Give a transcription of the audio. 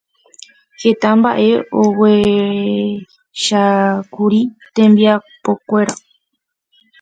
Heta mbaʼe porã ohechákuri temimboʼekuéra.